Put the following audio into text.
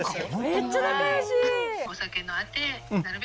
めっちゃ仲良し